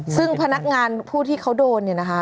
ซึ่งพนักงานผู้ที่เขาโดนเนี่ยนะคะ